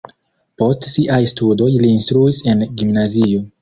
Post siaj studoj li instruis en gimnazio.